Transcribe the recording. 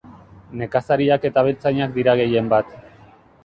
Nekazariak eta abeltzainak dira gehienbat.